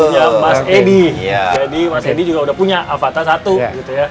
jadi mas edi juga udah punya avatar satu gitu ya